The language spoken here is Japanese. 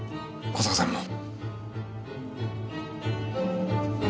小坂さんも。